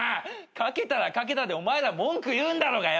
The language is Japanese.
賭けたら賭けたでお前ら文句言うんだろうがよ！